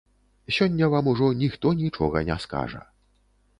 Сёння вам ужо ніхто нічога не скажа.